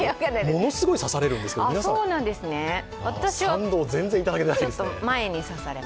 ものすごい刺されるんですけど賛同全然いただけないですね。